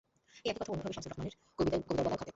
এই একই কথা অন্যভাবে শামসুর রাহমানের কবিতার বেলায়ও খাটে।